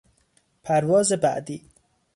پرواز بعدی